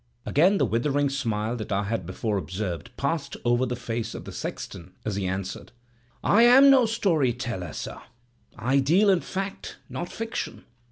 Again the withering smile that I had before observed passed over the face of the sexton, as he answered,— "I am no story teller, sir; I deal in fact, not fiction.